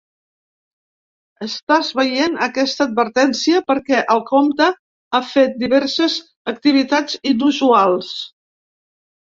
Estàs veient aquesta advertència perquè el compte ha fet diverses activitats inusuals.